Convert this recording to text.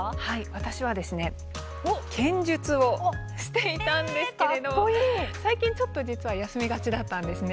私は剣術をしていたんですけれども最近ちょっと実は休みがちだったんですね。